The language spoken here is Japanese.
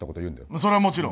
それはもちろん。